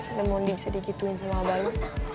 sampai mondi bisa digituin sama abah lo